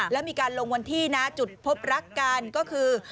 แล้วมีการลงวันที่นะจุดพบรักกันก็คือ